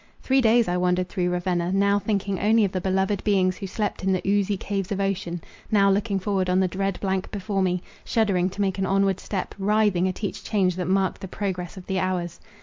Three days I wandered through Ravenna—now thinking only of the beloved beings who slept in the oozy caves of ocean—now looking forward on the dread blank before me; shuddering to make an onward step—writhing at each change that marked the progress of the hours.